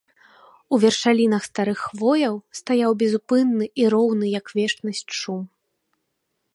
У вершалінах старых хвояў стаяў безупынны і роўны, як вечнасць, шум.